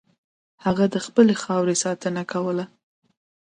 هغه د خپلې خاورې ساتنه کوله.